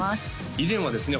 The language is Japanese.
以前はですね